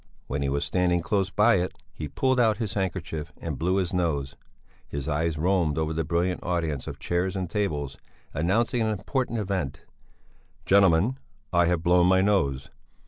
When he was standing close by it he pulled out his handkerchief and blew his nose; his eyes roamed over the brilliant audience of chairs and tables, announcing an important event: "Gentlemen, I have blown my nose."